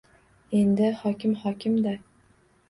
Endi hokim hokim-da